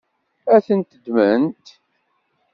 Ad ten-ddment?